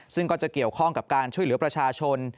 ซึ่งก็จะเกี่ยวข้องกับการช่วยเหลือประชาชน